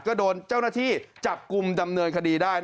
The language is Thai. ก็โดนเจ้าหน้าที่จับกลุ่มดำเนินคดีได้